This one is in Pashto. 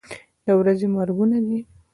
د ورځې مرګونه دي.